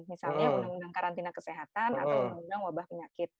misalnya undang undang karantina kesehatan atau undang undang wabah penyakit